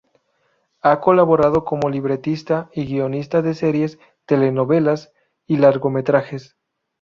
Ha colaborado como libretista y guionista de series, telenovelas y largometrajes.